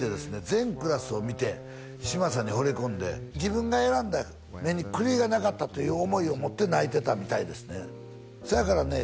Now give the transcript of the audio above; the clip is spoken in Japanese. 全クラスを見て嶋佐にほれ込んで自分が選んだ目に狂いがなかったという思いを持って泣いてたみたいですねせやからね